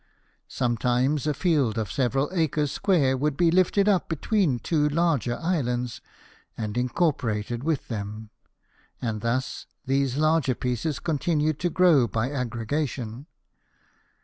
Sometimes a field of several acres square would be lifted up between two larger islands, and incorporated with them ; and thus these larger pieces continued to gTOw by aggregation.